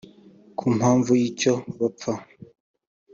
Ku mpamvu y’icyo bapfa